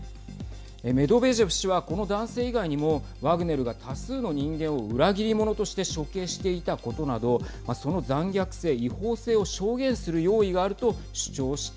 メドベージェフ氏はこの男性以外にもワグネルが多数の人間を裏切り者として処刑していたことなどその残虐性、違法性を証言する用意があるとはい。